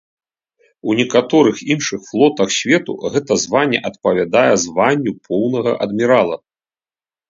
У некаторых іншых флотах свету гэта званне адпавядае званню поўнага адмірала.